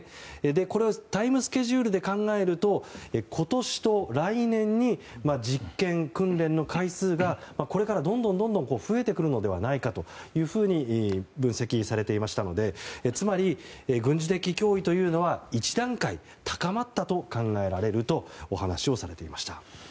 これはタイムスケジュールで考えると今年と来年に実験や訓練の回数がこれからどんどん増えてくるのではないかと分析されていましたのでつまり軍事的脅威というのは一段階高まったと考えられるとお話をされていました。